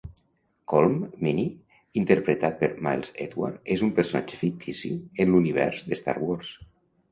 Colm Meaney, interpretat per Miles Edward, és un personatge fictici en l'univers d'Star Wars.